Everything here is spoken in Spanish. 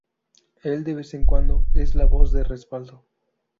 Él de vez en cuando es la voz de respaldo.